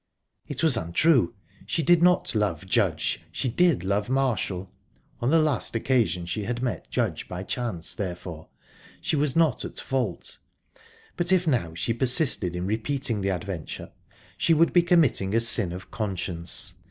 It was untrue...she did not love Judge, she did love Marshall. On the last occasion she had met Judge by chance, therefore she was not at fault, but if now she persisted in repeating the adventure she would be committing a sin of conscience.